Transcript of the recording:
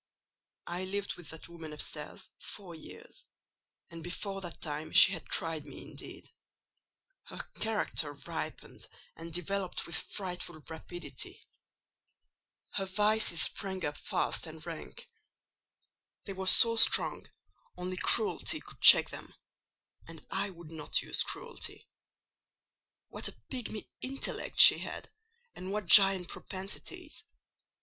I lived with that woman upstairs four years, and before that time she had tried me indeed: her character ripened and developed with frightful rapidity; her vices sprang up fast and rank: they were so strong, only cruelty could check them, and I would not use cruelty. What a pigmy intellect she had, and what giant propensities!